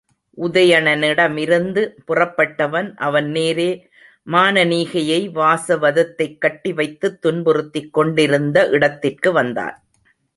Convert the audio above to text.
உதயணனிடமிருந்து புறப்பட்ட அவன் நேரே மானனீகையை வாசவதத்தை கட்டி வைத்துத் துன்புறுத்திக் கொண்டிருந்த இடத்திற்கு வந்தான்.